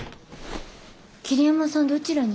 桐山さんどちらに？